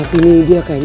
aku mau pergi ke rumah